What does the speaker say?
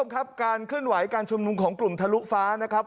ครับการเคลื่อนไหวการชุมนุมของกลุ่มทะลุฟ้านะครับ